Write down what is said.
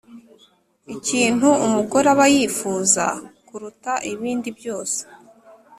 Ikintu umugore aba yifuza kuruta ibindi byose